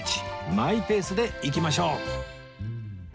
マイペースで行きましょう